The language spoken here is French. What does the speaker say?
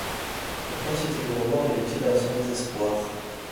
Quelle quantité de remords y avait-il dans son désespoir?